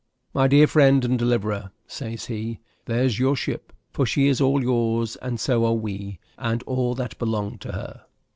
"My dear friend and deliverer," says he, "there's your ship; for she is all yours, and so are we, and all that belong to her."